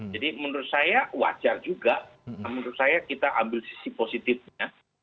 jadi menurut saya wajar juga menurut saya kita ambil sisi positifnya